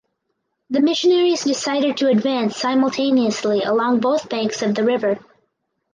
The missionaries decided to advance simultaneously along both banks of the river.